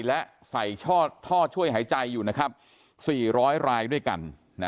และใส่ท่อช่วยหายใจอยู่นะครับ๔๐๐รายด้วยกัน